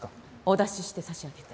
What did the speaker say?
お出しして差し上げて。